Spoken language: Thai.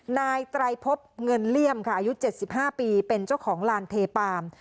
นายตรายพบเงินเลี่ยมค่ะอายุเจ็ดสิบห้าปีเป็นเจ้าของลานเทปาม